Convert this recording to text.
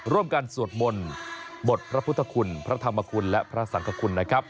ร่วมกันสวดมนต์บทพระพุทธคุณพระธรรมคุณและพระสังคคุณนะครับ